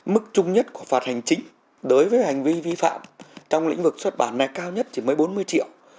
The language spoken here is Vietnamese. mức trung nhất của phạt hành chính đối với hành vi vi phạm trong lĩnh vực xuất bản này cao nhất chỉ mới bốn mươi triệu